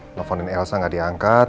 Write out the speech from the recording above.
teleponin elsa gak diangkat